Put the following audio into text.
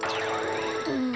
うん。